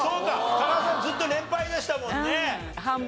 加賀さんずっと連敗でしたもんね。